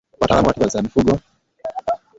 Wataalamu wa tiba za mifugo